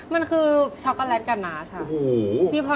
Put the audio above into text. มันคือช็อกโกแลตการนาศาสตร์ค่ะ